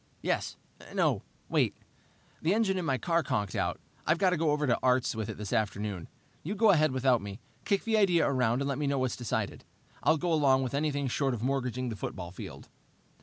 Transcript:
"Yes no, wait. The engine in my car conked out. I've got to go over to Art's with it this afternoon. You go ahead without me. Kick the idea around and let me know what's decided. I'll go along with anything short of mortgaging the football field."